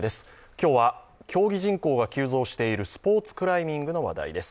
今日は競技人口が急増しているスポーツクライミングの話題です。